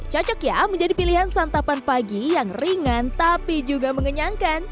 cocok ya menjadi pilihan santapan pagi yang ringan tapi juga mengenyangkan